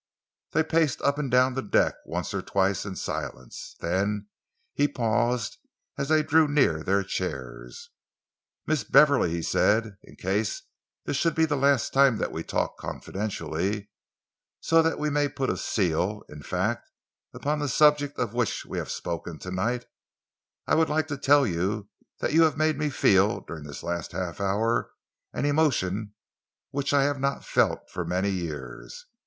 They paced up and down the deck once or twice in silence. Then he paused as they drew near their chairs. "Miss Beverley," he said, "in case this should be the last time that we talk confidentially so that we may put a seal, in fact, upon the subject of which we have spoken to night I would like to tell you that you have made me feel, during this last half hour, an emotion which I have not felt for many years.